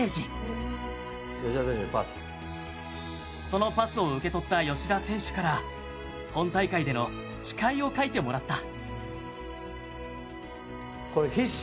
そのパスを受け取った吉田選手から本大会での誓いを書いてもらった。